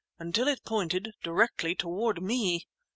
until it pointed directly toward me!